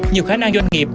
nhiều khả năng doanh nghiệp